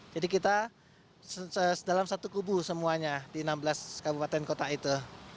jadi kita dalam satu kubu semuanya di enam belas kabupaten kota itu